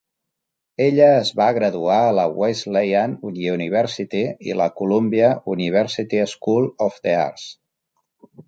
Ella es va graduar a la Wesleyan University i la Columbia University School of the Arts.